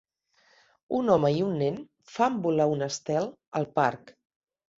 Un home i un nen fan volar un estel al parc.